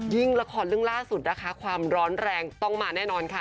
ละครเรื่องล่าสุดนะคะความร้อนแรงต้องมาแน่นอนค่ะ